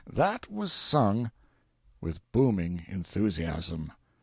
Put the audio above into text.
That was sung, with booming enthusiasm.